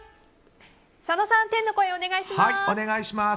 佐野さん、天の声お願いします。